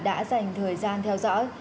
đã dành thời gian theo dõi